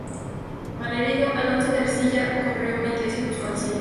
Malherido, Alonso de Ercilla corrió a una iglesia y buscó asilo.